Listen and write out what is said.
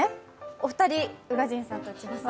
お二人、宇賀神さんと千葉さん。